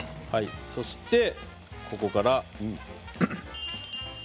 そしてここから。